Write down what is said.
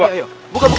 buka buka buka